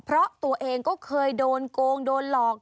เพราะตัวเองก็เคยโดนโกงโดนหลอก